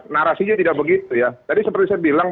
narasinya tidak begitu ya tadi seperti saya bilang